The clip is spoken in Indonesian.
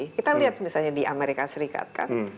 kita lihat misalnya di amerika serikat kan